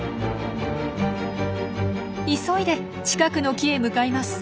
急いで近くの木へ向かいます。